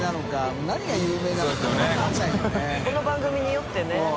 次この番組によってね。